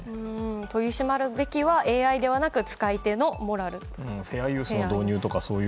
取り締まるべくはＡＩではなく使い手のモラルと。